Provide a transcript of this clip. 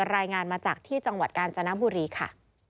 รายงานมาจากที่จังหวัดกาญจนบุรีค่ะ